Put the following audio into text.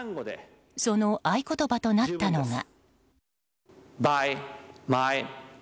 その合言葉となったのが。